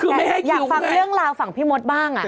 แต่อยากฟังเรื่องราวฝั่งพี่มดบ้าง